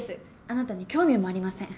あなたに興味もありません。